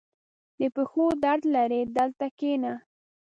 • د پښو درد لرې؟ دلته کښېنه.